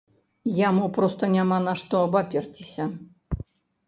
Яму проста няма на што абаперціся.